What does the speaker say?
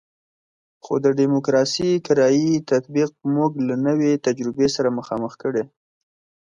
خو د ډیموکراسي کرایي تطبیق موږ له نوې تجربې سره مخامخ کړی.